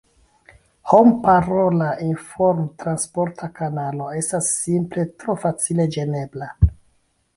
Homparola informtransporta kanalo estas simple tro facile ĝenebla.